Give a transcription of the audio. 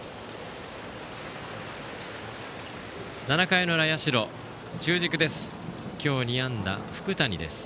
７回の裏、社は中軸です。